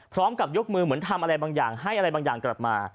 พร้อมกับยกมือเหมือนทำอะไรบางอย่างให้อะไรบางอย่างกลับมา